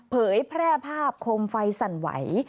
เผยแพร่ภาพคมไฟสั่นไหว